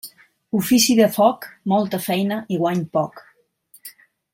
Ofici de foc, molta feina i guany poc.